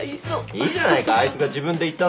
いいじゃないかあいつが自分で言ったんだから。